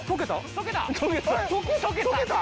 溶けた？